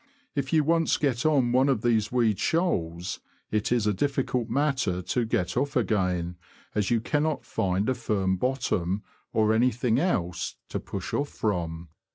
If you once get on one of these weed shoals, it is a difficult matter to get off again, as you cannot find a firm bottom, or anything else, to push off from.